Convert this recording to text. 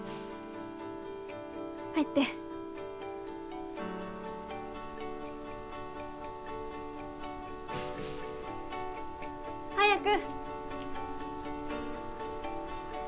入って早く！